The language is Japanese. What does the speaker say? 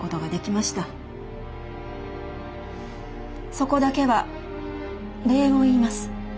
そこだけは礼を言います。